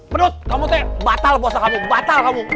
pedut kamu te batal bosan kamu batal kamu